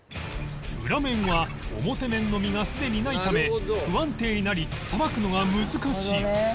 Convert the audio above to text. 裏面は表面の身がすでにないため不安定になりさばくのが難しい